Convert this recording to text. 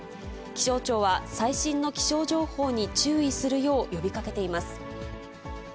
気象庁は、最新の気象情報に注意するよう呼びかけています。